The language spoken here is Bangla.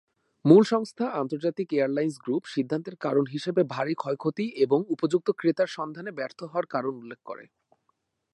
মূল সংস্থা, আন্তর্জাতিক এয়ারলাইন্স গ্রুপ, সিদ্ধান্তের কারণ হিসাবে ভারী ক্ষয়ক্ষতি এবং উপযুক্ত ক্রেতার সন্ধানে ব্যর্থতার কারণ উল্লেখ করে।